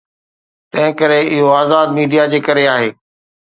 تنهنڪري اهو آزاد ميڊيا جي ڪري آهي.